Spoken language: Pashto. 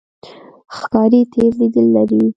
ښکاري تیز لید لري.